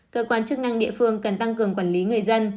cơ quan chức năng địa phương cần tăng cường quản lý người dân